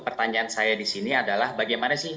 pertanyaan saya disini adalah bagaimana sih